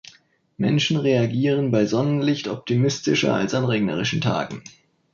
Menschen reagieren bei Sonnenlicht optimistischer als an regnerischen Tagen.